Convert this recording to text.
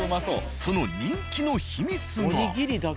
その人気の秘密が。